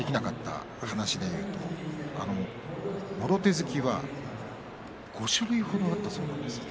もろ手突きは５種類程あったそうです。